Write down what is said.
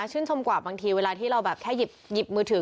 ชมกว่าบางทีเวลาที่เราแบบแค่หยิบมือถือ